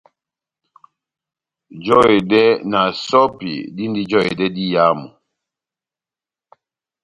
Jɛhedɛ na sɔ́pi dindi jɔhedɛ diyamu.